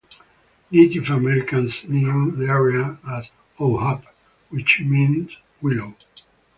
Native Americans knew the area as Houaph, which meant willow.